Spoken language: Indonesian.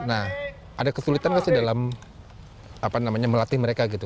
nah ada kesulitan gak sih dalam melatih mereka gitu